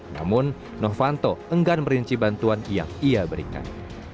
namun novanto enggan merinci bantuan yang ia berikan